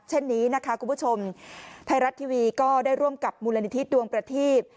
เช่นนี้นะคะคุณผู้ชมไทยรัฐทีวีก็ได้ร่วมกับมูลนิธิดวงประทีป